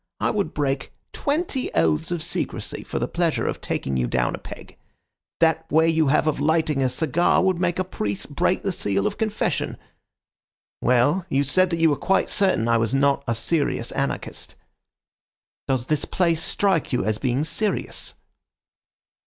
I would break twenty oaths of secrecy for the pleasure of taking you down a peg. That way you have of lighting a cigar would make a priest break the seal of confession. Well, you said that you were quite certain I was not a serious anarchist. Does this place strike you as being serious?"